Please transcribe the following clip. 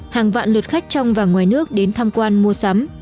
hàng vạn lượt khách trong và ngoài nước đến tham quan mua sắm